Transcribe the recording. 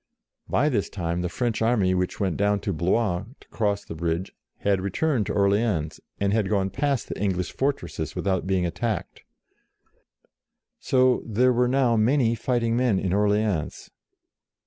By this time the French army which went down to Blois to cross the bridge, had returned to Orleans, and gone past the English fortresses without being attacked. So there were now many fighting men in Orleans.